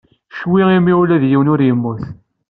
Ccwi imi ula d yiwen ur yemmut.